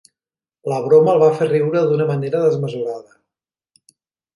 La broma el va fer riure d'una manera desmesurada.